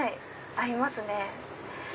合いますね。